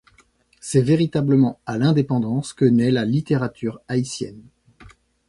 C'est véritablement à l'indépendance que naît la littérature haïtienne.